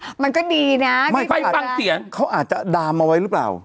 มันก็ดีนะไม่ไปฟังเสียงเขาอาจจะดามเอาไว้หรือเปล่า